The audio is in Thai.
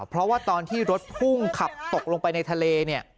เพราะว่าตอนที่รถพุ่งขับตกลงไปในทะเลเนี่ย